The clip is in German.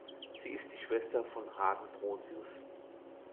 Sie ist die Schwester von Hagen Brosius.